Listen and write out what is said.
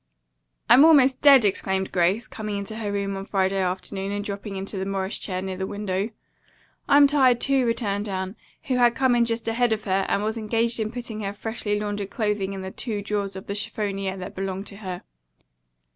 "I'm almost dead!" exclaimed Grace, coming into her room on Friday afternoon and dropping into the Morris chair near the window. "I'm tired, too," returned Anne, who had come in just ahead of her, and was engaged in putting her freshly laundered clothing in the two drawers of the chiffonier that belonged to her.